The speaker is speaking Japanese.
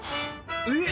えっ！